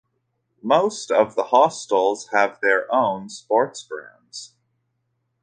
Most of the hostels have their own sports grounds.